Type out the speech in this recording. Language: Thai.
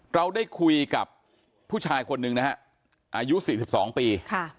เราได้คุยกับผู้ชายคนหนึ่งนะฮะอายุ๔๒ปี